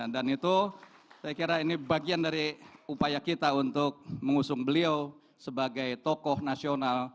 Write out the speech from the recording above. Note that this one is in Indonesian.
dan itu saya kira ini bagian dari upaya kita untuk mengusung beliau sebagai tokoh nasional